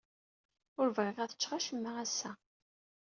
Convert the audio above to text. Ur bɣiɣ ad cceɣ acemma ass-a.